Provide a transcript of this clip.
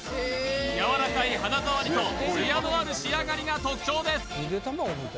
やわらかい肌触りとツヤのある仕上がりが特徴です